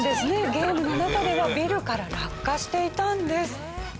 ゲームの中ではビルから落下していたんです。